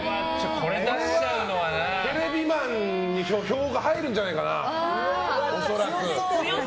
これはテレビマンの票が入るんじゃないかな、恐らく。